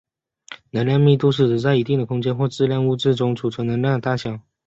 能量密度是指在一定的空间或质量物质中储存能量的大小。